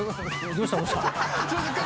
どうした？